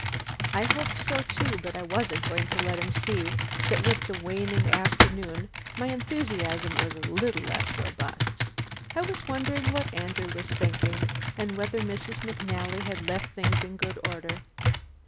I hoped so, too, but I wasn't going to let him see that with the waning afternoon my enthusiasm was a little less robust. I was wondering what Andrew was thinking, and whether Mrs. McNally had left things in good order.